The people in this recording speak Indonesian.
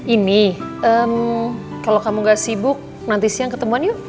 ini kalau kamu gak sibuk nanti siang ketemuan yuk